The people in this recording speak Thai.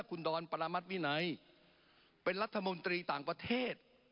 คุณด่อไม่ในเป็นรัฐมนตรีต่างประเทศ